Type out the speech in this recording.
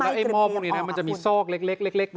แล้วไอ้หม้อพวกนี้มันจะมีซอกเล็กแบบนี้